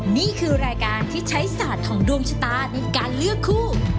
นี่คือรายการที่ใช้ศาสตร์ของดวงชะตาในการเลือกคู่